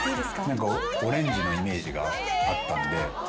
何かオレンジのイメージがあったんで。